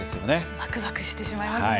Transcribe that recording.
ワクワクしてしまいますね。